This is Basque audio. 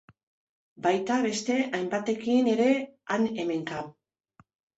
Baita beste hainbatekin ere han-hemenka.